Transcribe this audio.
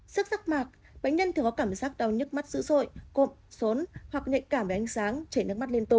sức rắc mạc bánh nhân thường có cảm giác đau nhức mắt dữ dội cộm sốn hoặc nhạy cảm về ánh sáng chảy nước mắt liên tục